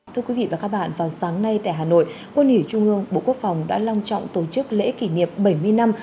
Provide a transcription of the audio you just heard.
thưa quý vị và các bạn vào sáng nay tại hà nội quân ủy trung ương bộ quốc phòng đã long trọng tổ chức lễ kỷ niệm bảy mươi năm